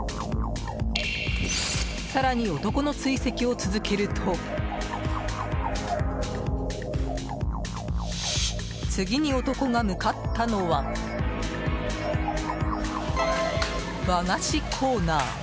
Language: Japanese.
更に男の追跡を続けると次に男が向かったのは和菓子コーナー。